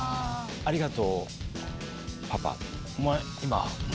「ありがとうパパ」